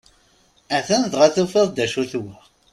Atan dɣa tufiḍ-d acu-t wa!